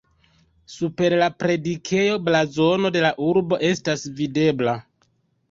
Super la predikejo blazono de la urbo estas videbla.